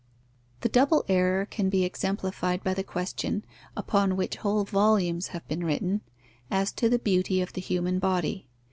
_ The double error can be exemplified by the question, upon which whole volumes have been written, as to the Beauty of the human body.